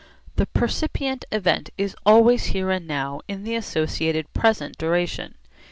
The percipient event is always here and now in the associated present duration.